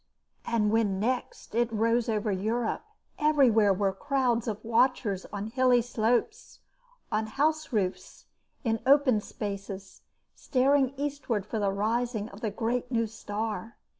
And when next it rose over Europe everywhere were crowds of watchers on hilly slopes, on house roofs, in open spaces, staring eastward for the rising of the great new star.